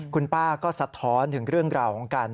คุณป้าก็สะท้อนถึงเรื่องราวของการ